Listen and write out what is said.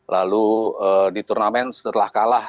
lalu di turnamen setelah kalah